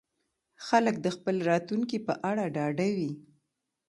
خلک د خپل راتلونکي په اړه ډاډه وي.